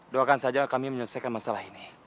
doakan saja kami menyelesaikan masalah ini